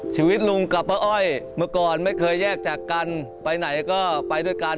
ชีวิตลุงกับป้าอ้อยเมื่อก่อนไม่เคยแยกจากกันไปไหนก็ไปด้วยกัน